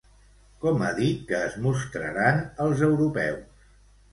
Com ha dit que es mostraran els europeus?